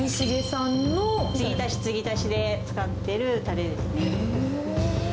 継ぎ足し継ぎ足しで使っているたれですね。